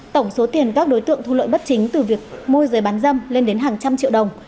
tổng số tiền các đối tượng thu lợi bất chính từ việc môi giới bán dâm lên đến hàng trăm triệu đồng